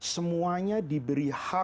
semuanya diberi hak